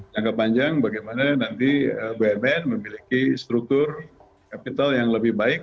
jangka panjang bagaimana nanti bumn memiliki struktur capital yang lebih baik